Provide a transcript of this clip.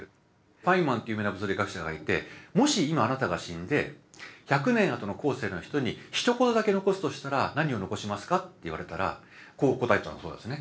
ファインマンっていう有名な物理学者がいて「もし今あなたが死んで１００年あとの後世の人にひと言だけ残すとしたら何を残しますか？」って言われたらこう答えたそうですね。